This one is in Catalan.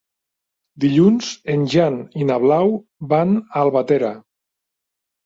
Dilluns en Jan i na Blau van a Albatera.